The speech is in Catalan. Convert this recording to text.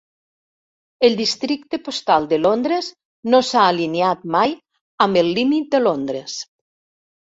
El districte postal de Londres no s'ha alineat mai amb el límit de Londres.